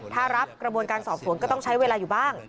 ถ้ารับกระบวนการสอบสวนก็ต้องใช้เวลาอยู่บ้าง